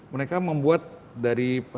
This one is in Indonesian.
mereka membuat dari